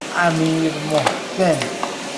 امیرمحسن